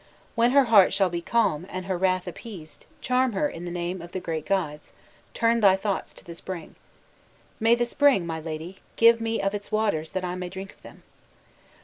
When her heart shall be calm, and her wrath appeased, charm her in the name of the great gods turn thy thoughts to the spring' 'May the spring, my lady, give me of its waters that I may drink of them.